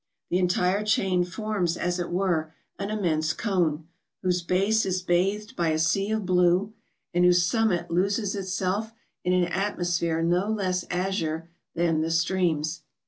The entire chain forms, as it were, an immense cone, whose base is bathed by a sea of blue, and whose summit loses itself in an atmosphere no less azure than the streams.